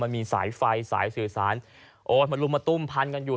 มันมีสายไฟสายสื่อสารโอ้ยมาลุมมาตุ้มพันกันอยู่